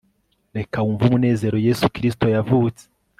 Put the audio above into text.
reka wumve umunezero yesu kristo yavutse